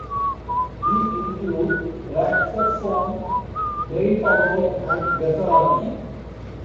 These include "RahXephon", "Brain Powerd", and "Gasaraki".